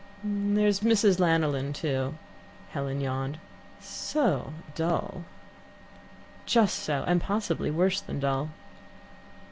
"There's Mrs. Lanoline, too," Helen yawned. "So dull." "Just so, and possibly worse than dull."